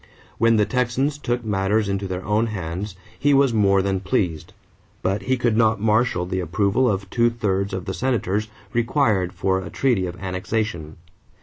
When the Texans took matters into their own hands, he was more than pleased; but he could not marshal the approval of two thirds of the Senators required for a treaty of annexation.